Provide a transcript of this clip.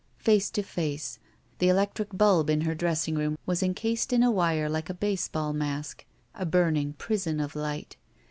Pace to face. The electric bulb in her dressing room was incased in a wire like a baseball mask. A burning prison of light.